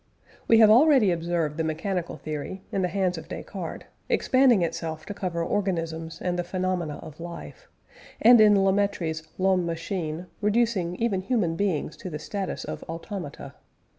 We have already observed the mechanical theory, in the hands of Descartes, expanding itself to cover organisms and the phenomena of life, and in La Mettrie's L'Homme Machine, reducing even human beings to the status of automata.